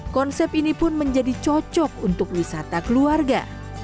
konsep ini pun menjadi cocok untuk wisata keluarga